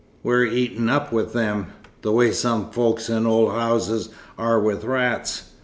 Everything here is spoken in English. We're eaten up with them, the way some folk in old houses are with rats.